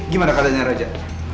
gimana keadaannya raja